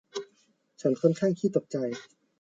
ฉันค่อนข้างขี้ตกใจ